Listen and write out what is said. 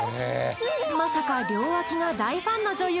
まさか両脇が大ファンの女優